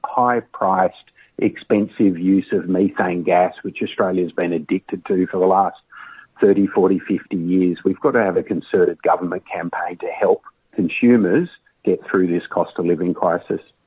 kita harus memiliki kampanye pemerintah yang berkonserti untuk membantu pengguna mencapai krisis harga hidup ini